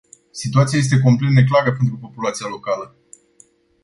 Situația este complet neclară pentru populația locală.